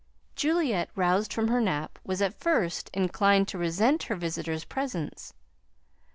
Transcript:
Juliette, roused from her nap, was at first inclined to resent her visitor's presence.